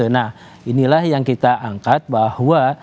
nah inilah yang kita angkat bahwa